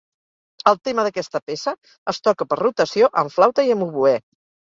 El tema d'aquesta peça es toca per rotació, amb flauta i amb oboè.